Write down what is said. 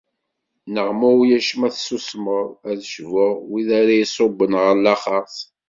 Neɣ ma ulac ma tessusmeḍ, ad cbuɣ wid ara iṣubben ɣer laxert.